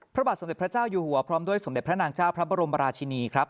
พระบาทสมเด็จพระเจ้าอยู่หัวพร้อมด้วยสมเด็จพระนางเจ้าพระบรมราชินีครับ